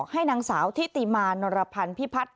ให้นางสาวทิติมานรพันธ์พิพัฒน์